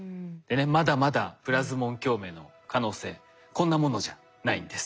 まだまだプラズモン共鳴の可能性こんなものじゃないんです。